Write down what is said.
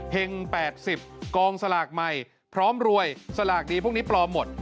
เห็ง๘๐กองสลากใหม่พร้อมรวยสลากดีพวกนี้ปลอมหมด